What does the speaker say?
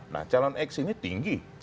nah calon x ini tinggi